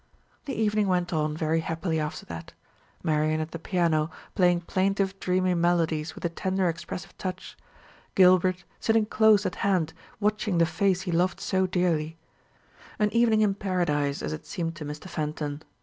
The evening went on very happily after that: Marian at the piano, playing plaintive dreamy melodies with a tender expressive touch; Gilbert sitting close at hand, watching the face he loved so dearly an evening in Paradise, as it seemed to Mr. Fenton.